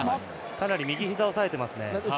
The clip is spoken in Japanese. かなり右ひざを押さえています。